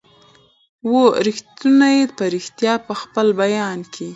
وو ریښتونی په ریشتیا په خپل بیان کي